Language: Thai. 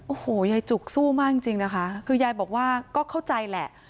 โอ้โหยายจุกสู้มากจริงนะคะคือยายบอกว่าก็เข้าใจแหละ